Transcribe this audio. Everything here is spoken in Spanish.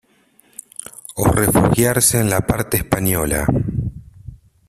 O refugiarse en la parte española.